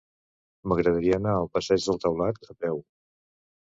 M'agradaria anar al passeig del Taulat a peu.